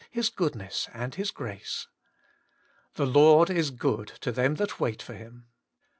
His goodness, and His grace !' The Lord is good to them that wait for Him.'